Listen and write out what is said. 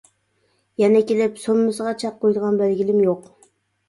يەنە كېلىپ سوممىسىغا چەك قويىدىغان بەلگىلىمە يوق.